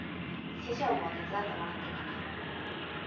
師匠にも手伝ってもらったから。